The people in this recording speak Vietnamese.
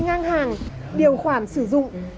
ngang hàng điều khoản sử dụng